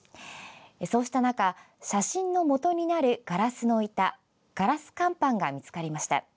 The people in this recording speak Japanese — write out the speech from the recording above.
そうした中写真のもとになるガラスの板ガラス乾板が見つかりました。